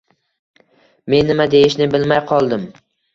Men nima deyishni bilmay qoldim